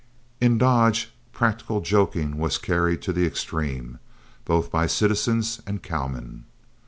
In Dodge practical joking was carried to the extreme, both by citizens and cowmen.